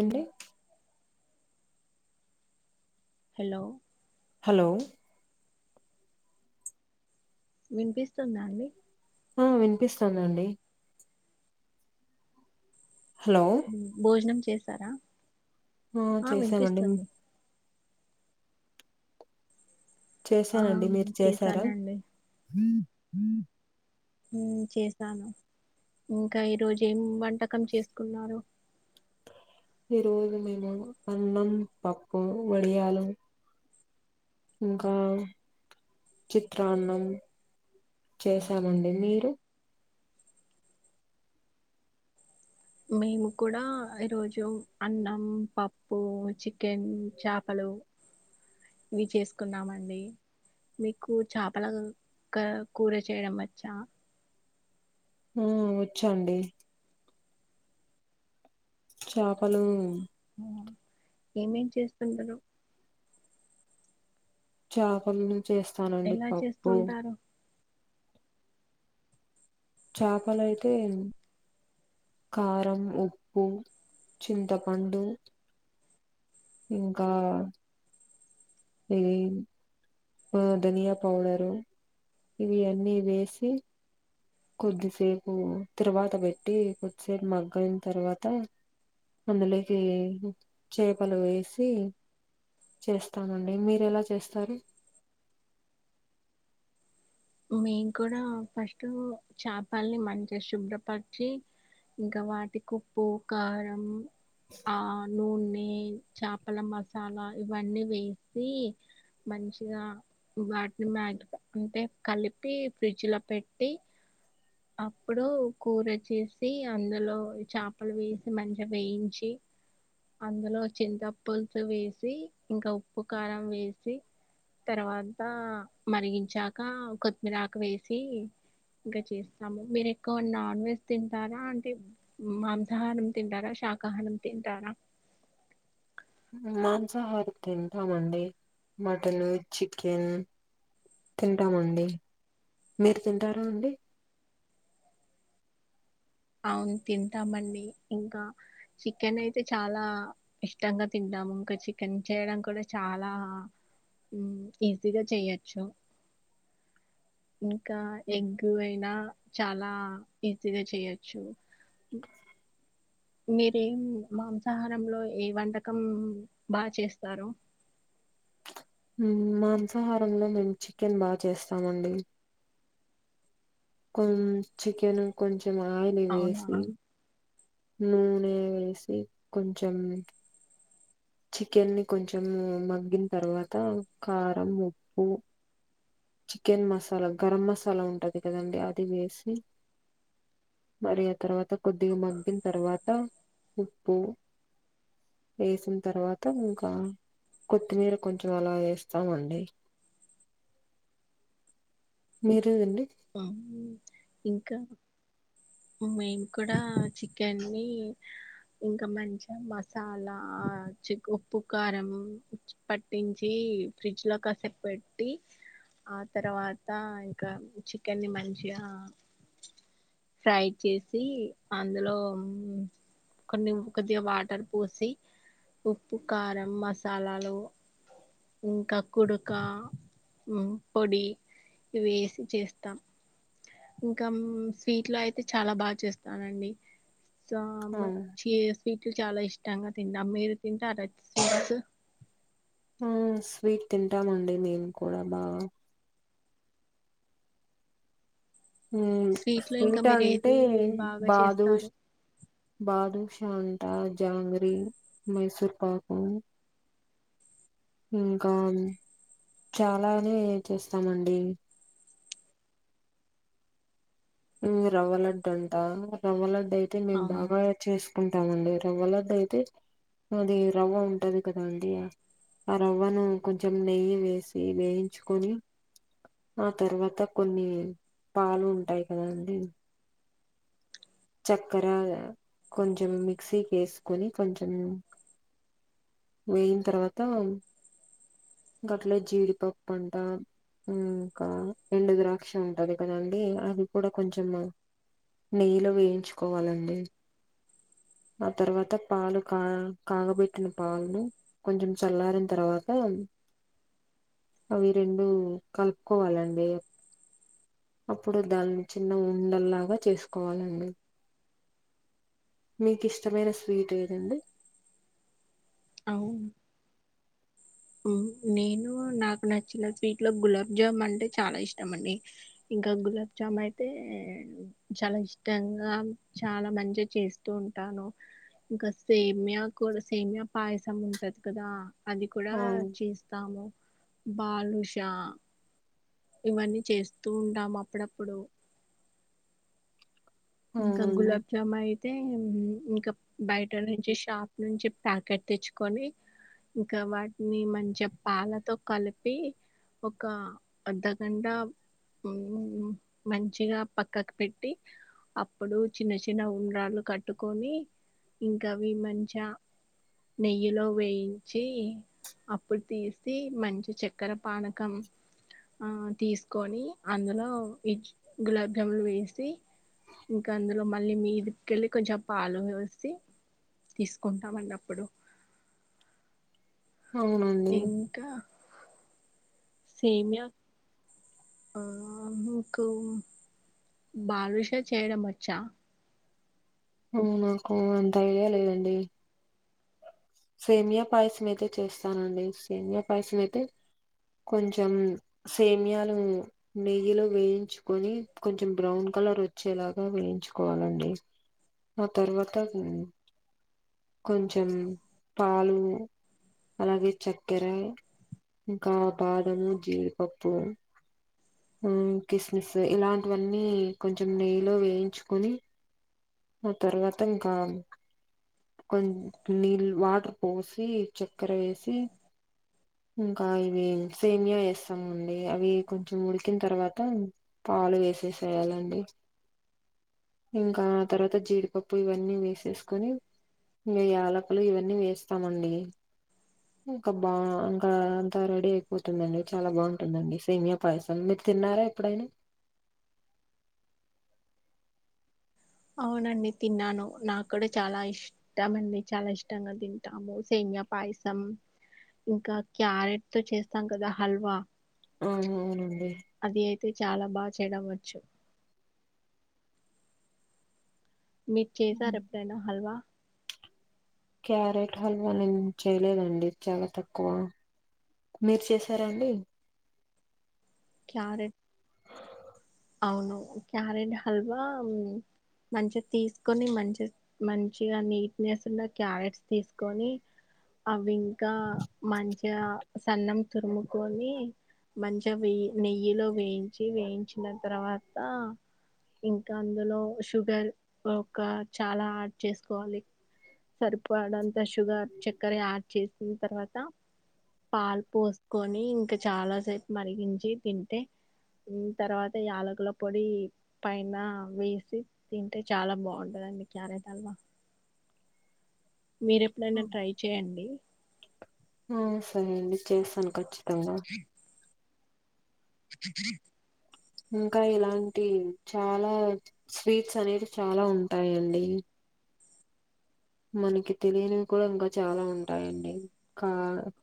ఏండి hello hello వినిపిస్తుందా అండి ఆ వినిపిస్తుందండి హలో ఉమ్ భోజనం చేశారా ఆ చేసామండి ఆ చేశానండి మీరు చేసారా చేశానండి ఉమ్ చేసాను ఇంక ఈ రోజు ఏం వంటకం చేసుకున్నారు ఈ రోజు మేము అన్నం పప్పు వడియలు ఇంక చిత్రాన్నం చేసామండి మీరు మేము కూడా ఈరోజు అన్నం పప్పు చికెన్ చేపలు ఇవి చేసుకున్నామండి మీకు చేపల క కూర చేయడం వచ్చా ఉహ్ వచ్చండి చేపలు ఏమేం చేస్తుంటారు చేపలను చేస్తానండి ఎలా పప్పు చేస్తుంటారు చాపలు అయితే కారం ఉప్పు చింతపండు ఇంక ఇది ఆ ధనియా పౌడర్ ఇవి అన్నీ వేసి కొద్దిసేపు తరువాత పెట్టి కొద్దిసేపు మగ్గయిన తర్వాత అందులోకి చేపలు వేసి చేస్తామండి మీరు ఎలా చేస్తారు మేము కూడా ఫస్ట్ చపల్ని మంచిగ శుభ్రపరిచి ఇంకా వాటికి ఉప్పు కారం ఆ నూనె చాప చపమచానా ఇవన్నీ వేసి మంచిగా వాటిని మ్యాగి అంటే కలిపి ఫ్రిడ్జ్ లో పెట్టి అప్పుడు కూర చేసి అందులో చాపలు వేసి మంచిగ వేయించి అందులో చింత పులుసు వేసి ఇంకా ఉప్పు కారం వేసి తర్వాత మరిగించాక కొత్తిమీరాకు వేసి ఇంకా చేస్తాము మీరు ఎక్కువ నాన్ వెజ్ తింటారా అంటే మాంసాహారం తింటారా శాకాహారం తింటారా మాంసాహారం తింటమండి మటను చికెన్ తింటామండి మీరు తింటారా అండి అవును తింటామండి ఇంకా చికెన్ అయితే చాలా ఇష్టంగా తింటాము ఇంకా చికెన్ చేయడం కూడా చాలా ఉమ్ ఈజీగా చెయొచ్చు హుహు ఇంకా ఎగ్ అయినా చాలా ఈజీగా చేయొచ్చు మీరేం మాంసాహారంలో ఏ వంటకం బా చేస్తారు ఉమ్ మాంసాహారంలో మేము చికెన్ బా చేస్తామండి కొ చికెన్ కొంచెం ఆయిల్ అవునా వేసి నూనె వేసి కొంచెం చికెన్ని కొంచెం మగ్గిన తర్వాత కారం ఉప్పు చికెన్ మసాలా గరం మసాలా ఉంటది కదండి అది వేసి మరి ఆ తర్వాత కొద్దిగ మగ్గిన తర్వాత ఉప్పు వేసిన తర్వాత ఇంకా కొత్తిమీర కొంచం అలా వేస్తామండి మీరేదండి ఆ ఇంకా ఉమ్ మేము కూడా చికెన్ని ఇంకా మంచిగ మసాలా చి ఉప్పు కారం పట్టించి ఫ్రిడ్జ్ లో కాసేప్ పెట్టి ఆ తర్వాత ఇంకా చికెన్ని మంచిగా ఫ్రై చేసి అందులో కొన్ని కొద్దిగా వాటర్ పోసి ఉప్పు కారం మసాలాలు ఇంకా కుడుక పొడి ఇవేసి చేస్త తమ్ ఇంకా స్వీట్ లో అయితే చాలా బాగా చేస్తానండి ఆ చ స్వీట్లు చాలా ఇష్టంగా తింటా మీరు తింటే రచ్చ స్వీట్స్ ఆ స్వీట్ తింటామండి నేను కూడా బాగా లో ఇంకా స్వీట్ మీరు అంటే ఏది బాగా బాదుష్ చేస్తారు బాదుషా తింట జాంగ్రి మైసూర్ పాకు ఇంకా చాలానే చేస్తామండి రవ్వలడ్డు అంటా రవ్వలడ్డు అయితే మేం అవునా బాగా చేసుకుంటామండి రవ్వలడ్డయితే అది రవ్వ ఉంటది కదా అండి ఆ రవ్వను కొంచెం నెయ్యి వేసి వేయించుకొని ఆ తర్వాత కొన్ని పాలు ఉంటాయి కదాండి చక్కర కొంచెం మిక్సీకి వేసుకొని కొంచెం వేయిన తర్వాత ఇంకట్లే జీడిపప్పంట ఇంకా రెండు ద్రాక్ష ఉంటది కదండి అది కూడా కొంచెము నెయ్యిలో వేయించుకోవాలండి. ఆ తర్వాత పాలు కా కాగబెట్టిన పాలు కొంచం చల్లారిన తర్వాత అవి రెండు కలుపుకోవాలండి. అప్పుడు దానిన చిన్న ఉండల్లాగా చేసుకోవాలండ మీకు ఇష్టమైన స్వీట్ ఏదండి? అవ్ ఉ నేను నాకు నచ్చిన స్వీట్ లో గులాబ్ జామున్ అంటే చాలా ఇష్టం అండి. ఇంకా గులాబ్ జామ్ అయితే చాలా ఇష్టంగా చాలా మంచిగా చేస్తూ ఉంటాను. ఇంకా సేమ్యా కూడ సేమియా పాయసం ఉంటది కదా అది కూడా అవును చేస్తాము బాలుష ఇవన్నీ చేస్తూ ఉంటాము అప్పుడప్పుడు ఇంకా అవునండి గులబ్ జమ అయితే హ్మ్ ఇంకా బయట నుంచి షాప్ నుంచి ప్యాకెట్ తెచ్చుకొని ఇంకా వాటిని మంచి పాలతో కలిపి ఒక అర్ధగంట హ్మ్ మంచిగా పక్కకు పెట్టి అప్పుడు చిన్న చిన్న ఉండ్రాలు కట్టుకొని ఇంకా అవి మంచ నెయ్యిలో వేయించి అప్పుడు తీసి మంచి చె కర పానకం ఆ తీసుకొని అందులో ఇంచు గులాబ్ జములు వేసి ఇంకా అందులో మళ్ళీ మీదికెళ్ళి కొంచెం పాలు పోసి తీసుకుంటామండి అప్పుడు అవునండి ఇంకా సేమ్య ఆ మీకు బాదుష చేయడం వచ్చా? హ్మ్ నాకు అంత ఐడియా లేదండి సేమయా పాయసం అయితే చేస్తానండి సేమియా పాయసం అయితే కొంచెం సేమ్యాలు నెయ్యిలో వేయించుకొని కొంచెం బ్రౌన్ కలర్ వచ్చేలాగా వేయించుకోవాలండి. ఆ తర్వాత హ్మ్ కొంచెం పాలు అలాగే చక్కెర ఇంకా బాదము, జీడిపప్పు ఆ కిస్మిస్ ఇలాంటివన్నీ కొంచెం నెయ్యిలో వేయించుకొని ఆ తర్వాత ఇంకా కోన్ నీళ్ వాటర్ పోసి చక్కెర వేసి ఇంకా ఇవి సెమియా వేస్తామండి అవి కొంచెం ఉడికిన తర్వాత పాలు వేసేసేయాలండి ఇంకా ఆ తర్వాత జీడిపప్పు ఇవన్నీ వేసేసుకొని ఇంకా యాలకులు ఇవన్నీ వేస్తామండి ఇంకా బాన్ అంతా రెడీ అయిపోతుందండి చాలా బాగుంటుందండి సేమయా పాయసం మీరు తిన్నారా ఎప్పుడైనా? అవునండి తిన్నాను నాగ్గుడా చాలా ఇష్ ష్టమండి చాలా ఇష్టంగా తింటాము సేమ్యా పాయసం ఇంకా క్యారెట్ తో చేస్తాం కదా హల్వా ఆ అవునండి అది అయితే చాలా బాగా చేయడం వచ్చు మీరు చేశార ఉమ్. ఎప్పుడైనా హల్వా క్యారెట్ హల్వా నేను చేయలేదండి చాలా తక్కువ మీరు చేశారా అండి క్యారేట్ అవును క్యారెట్ హల్వా మంచిగా తీసుకొని మంచి మంచిగా నీట్నెస్ ఉన్న క్యారెట్స్ తీసుకొని అవి ఇంకా మంచిగా సన్నం తురుముకొని మంచిగా వేయి నెయ్యిలో వేయించి వేయించిన తర్వాత ఇంకా అందులో షుగర్ ఒక చాలా ఆడ్ చేసుకోవాలి సరిపోడంతా షుగర్ చక్కర యాడ్ చేసిన తర్వాత పాలు పోసుకొని ఇంకా చాలాసేపు మరిగించి తింటే తర్వాత యాలకుల పొడి పైన వేసి తింటే చాలా బాగుంటదండి క్యారెట్ హల్వా మీరెప్పుడైనా ట్రై చేయండి ఆ సరే అండి చేస్తాను ఖచ్చితంగా ఇంకా ఇలాంటి చాలా స్వీట్స్ అనేవి చాలా ఉంటాయండి మనకి తెలియనివి కూడా ఇంకా చాలా ఉంటాయండి కా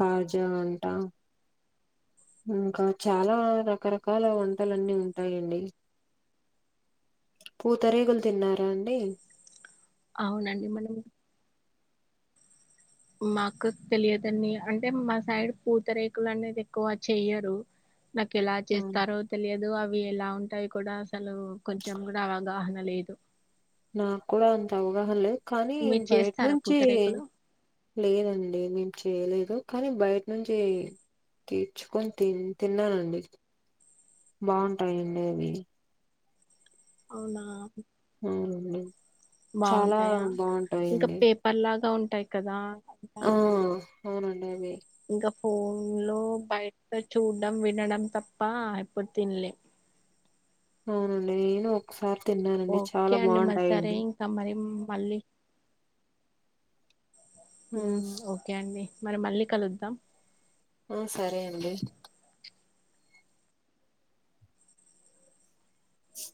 కాజా అంటా ఇంకా చాలా రకరకాల వంటలన్నీ ఉంటాయండి పూతరేకులు తిన్నారా అండి అవునండి మనం మాకు తెలియదన్ని అంటే మా సైడ్ పూతరేకులు అనేది ఎక్కువ చెయ్యరు నాకు ఎలా చేస్తారో తెలియదు అవి ఎలా ఉంటాయి కూడా అసలు కొంచెం కూడా అవగాహన లేదు నాక్కూడా అంత అవగాహన లేదు కానీ మీరు బయట చేస్తారా నుంచి పూతరేకులు లేదండి మేం చేయలేదు కానీ బయట నుంచి తీర్చుకొని తి తిన్నానండి బాగుంటాయండి అవి అవునా అవునండి చాలా బాగుంటాయా ఇంక బాగుంటాయండి పేపర్ లాగా ఉంటాయి కదా అంతా ఆ అవునండి అవే ఇంకా ఫోన్ లో బయట చూడడం వినడం తప్ప ఎప్పుడు తినలే అవునండి నేను ఒకసారి తిన్నానండి చాలా బాగుంటాయండి తమరం మళ్ళి ఉమ్ ఓక్ ఓకే అండి మరి మళ్ళీ కలుద్దాం ఆ సరే అండి స